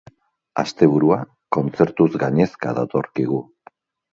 Asteburua kontzertuz gainezka datorkigu.